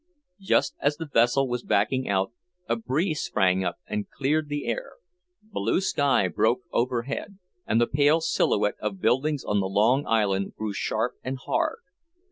Just as the vessel was backing out, a breeze sprang up and cleared the air. Blue sky broke overhead, and the pale silhouette of buildings on the long island grew sharp and hard.